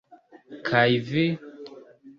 Kaj vi..?